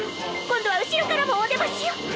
今度は後ろからもおでましよ！